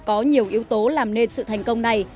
có nhiều yếu tố làm nên sự thành công này